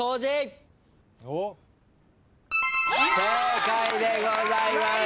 正解でございます。